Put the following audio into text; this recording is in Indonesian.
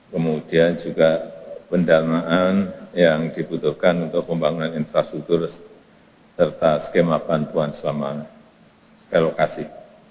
kemudian juga pendanaan yang dibutuhkan untuk pembangunan infrastruktur serta skema bantuan selama relokasi